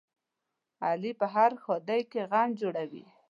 علي په هره ښادۍ کې غم جوړوي.